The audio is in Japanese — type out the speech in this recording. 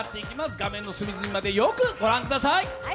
画面の隅々まで、よくご覧ください。